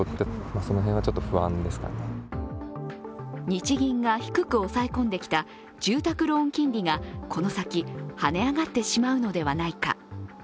日銀が低く抑え込んできた住宅ローン金利がこの先、はね上がってしまうのではないか。